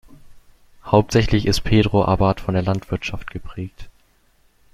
Hauptsächlich ist Pedro Abad von der Landwirtschaft geprägt.